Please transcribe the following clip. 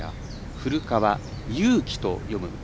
古川雄大と読む。